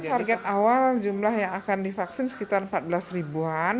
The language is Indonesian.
target awal jumlah yang akan divaksin sekitar empat belas ribuan